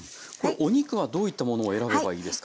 お肉はどういったものを選べばいいですか？